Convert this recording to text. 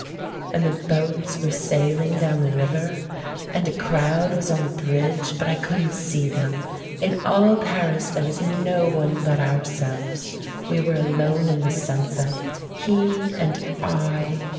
And the boats were sailing down the river, and a crowd was on the bridge, but I couldn't see them. In all Paris there was no one but our selves. We were alone in the sunset — he and I!